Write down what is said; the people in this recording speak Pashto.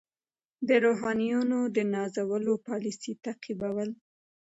د روحانیونو د نازولو پالیسي تعقیبول.